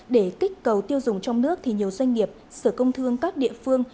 để kích cầu tiêu dùng trong nước thì nhiều doanh nghiệp sở công thương các địa phương